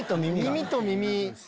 耳と耳。